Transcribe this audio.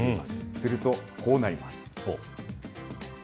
すると、こうなります。